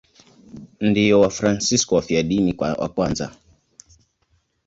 Ndio Wafransisko wafiadini wa kwanza.